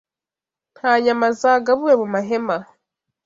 Nta nyama zagabuwe mu mahema,